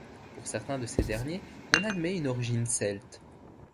Pour certains de ces derniers, on admet une origine celte.